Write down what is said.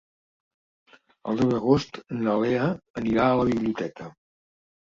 El deu d'agost na Lea anirà a la biblioteca.